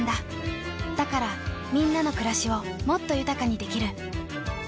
だからみんなの暮らしをもっと豊かにできる。